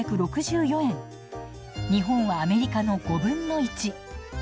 日本はアメリカの５分の１。